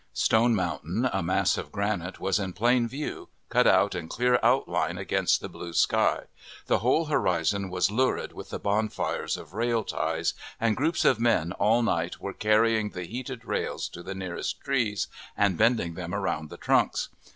Stone Mountain, a mass of granite, was in plain view, cut out in clear outline against the blue sky; the whole horizon was lurid with the bonfires of rail ties, and groups of men all night were carrying the heated rails to the nearest trees, and bending them around the trunks.